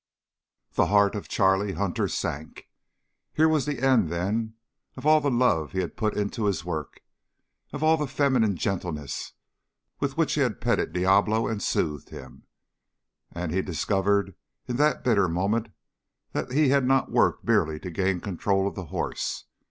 The heart of Charlie Hunter sank. Here was the end, then, of all the love he had put into his work, of all the feminine gentleness with which he had petted Diablo and soothed him. And he discovered, in that bitter moment, that he had not worked merely to gain control of the horse.